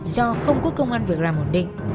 do không có công an việc làm ổn định